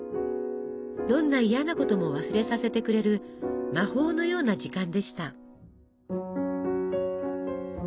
どんな嫌なことも忘れさせてくれる魔法のような時間でした。